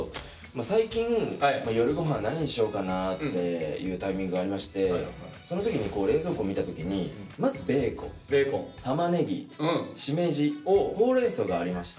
最近夜御飯何にしようかなっていうタイミングがありましてその時に冷蔵庫を見た時にまずベーコンたまねぎしめじほうれんそうがありまして。